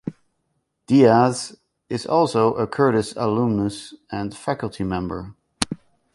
Diaz is also a Curtis alumnus and faculty member.